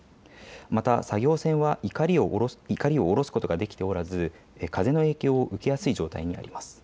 また作業船はいかりを下ろすことができておらず風の影響を受けやすい状態にあります。